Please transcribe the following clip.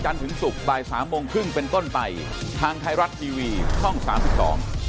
ก็ต้องให้คุณหมอไปตรวจสอบนะครับ